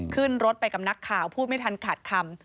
ขึ้นรถไปกับนักข่าวพูดไม่ทันขาดคำ